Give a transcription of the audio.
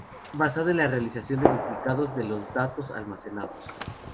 Basado en la realización de duplicados de los datos almacenados.